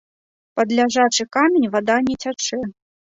Пад ляжачы камень вада не цячэ.